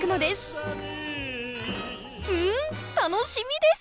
うん楽しみです。